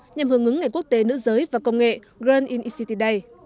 nhằm hướng ngứng ngày quốc tế nữ giới và công nghệ ground in ict day